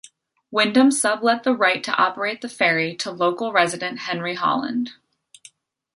Windham sub-let the right to operate the ferry to local resident Henry Holland.